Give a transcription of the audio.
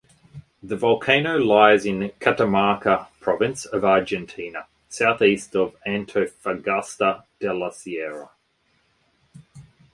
The volcano lies in Catamarca Province of Argentina southeast of Antofagasta de la Sierra.